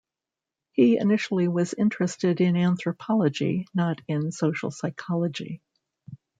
He initially was interested in anthropology, not in social psychology.